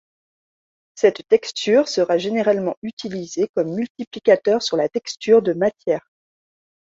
Cette texture sera généralement utilisée comme multiplicateur sur la texture de matière.